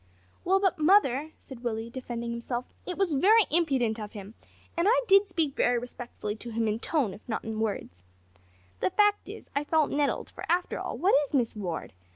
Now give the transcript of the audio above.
"Well, but, mother," said Willie, defending himself, "it was very impudent of him, and I did speak very respectfully to him in tone if not in words. The fact is I felt nettled, for, after all, what is Miss Ward?